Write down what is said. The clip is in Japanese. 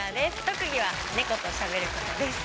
特技は猫としゃべることです。